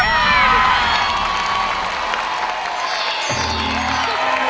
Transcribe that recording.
โทษนะ